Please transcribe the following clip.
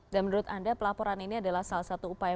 dan menurut anda pelaporan ini adalah salah satu upaya